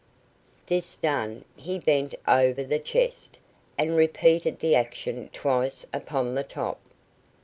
This done, he bent over the chest, and repeated the action twice upon the top.